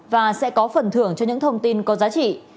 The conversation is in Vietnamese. và sẽ có phần thưởng cho những thông tin có giá trị